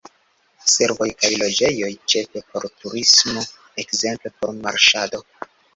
Servoj kaj loĝejoj, ĉefe por turismo, ekzemple por marŝado.